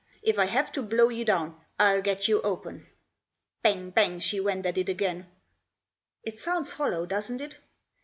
If I have to blow you down, Til get you open." Bang, bang, she went at it again. " It sounds hollow, doesn't it